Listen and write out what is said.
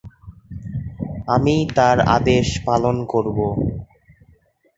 আমি তাঁর আদেশ পালন করব।